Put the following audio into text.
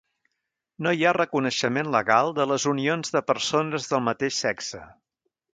No hi ha reconeixement legal de les unions de persones del mateix sexe.